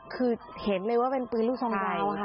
คือเห็นเลยว่าเป็นปืนลูกซองค่ะ